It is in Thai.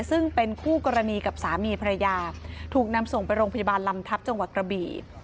ซึ่งเป็นคู่กรณีกับสามีภรรยาถูกนำส่งไปโรงพยาบาลลำทัพจังหวัดกระบี่